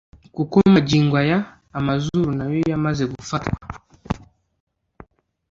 kuko magingo aya amazuru na yo yamaze gufatwa